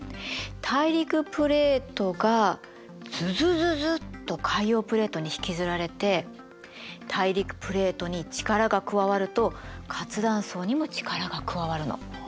大陸プレートがズズズズッと海洋プレートに引きずられて大陸プレートに力が加わると活断層にも力が加わるの。